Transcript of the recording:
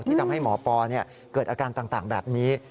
ที่ทำให้หมอปอเกิดอาการต่างแบบนี้